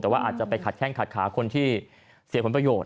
แต่ว่าอาจจะไปขัดแข้งขัดขาคนที่เสียผลประโยชน